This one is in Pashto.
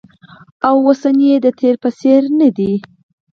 او اوسنی یې د تېر په څېر ندی